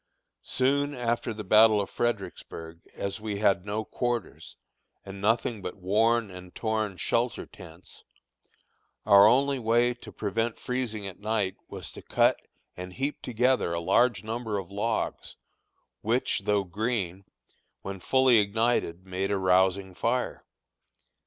Soon after the battle of Fredericksburg, as we had no quarters, and nothing but worn and torn shelter tents, our only way to prevent freezing at night was to cut and heap together a large number of logs, which, though green, when fully ignited made a rousing fire.